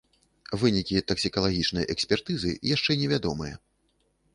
Вынікі таксікалагічнай экспертызы яшчэ невядомыя.